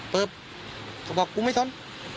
เขาก็ไม่ทน